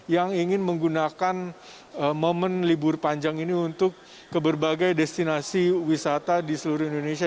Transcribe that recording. yang ingin menggunakan momen libur panjang ini untuk ke berbagai destinasi wisata di seluruh indonesia